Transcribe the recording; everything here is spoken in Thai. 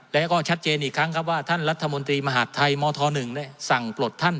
แล้วก็ชัดเจนอีกครั้งครับว่าท่านรัฐมนตรีมหาดไทยมธ๑สั่งปลดท่าน